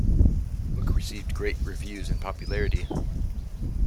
The book received great reviews and popularity.